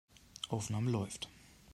Aufnahme läuft.